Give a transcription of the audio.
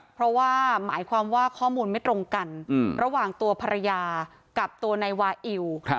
เพราะว่าหมายความว่าข้อมูลไม่ตรงกันระหว่างตัวภรรยากับตัวนายวาอิว